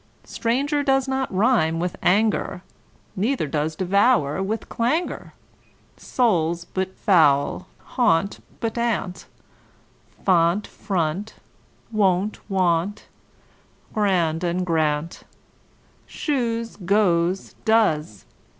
Stranger does not rime with anger, Neither does devour with clangour. Soul, but foul and gaunt, but aunt; Font, front, wont; want, grand, and, grant, Shoes, goes, does.